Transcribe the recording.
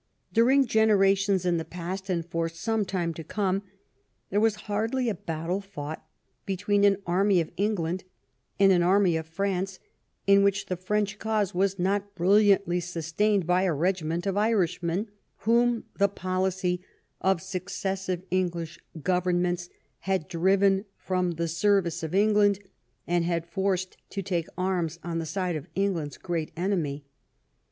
During generations in the past and for some time to come, there was hardly a battle fought between an army of England and an army of France in which the French cause was not brilliantly sustained by a regiment of Irishmen, whom the policy of successive English gov ernments had driven from the service of England, and had forced to take arms on the side of England's great enemy.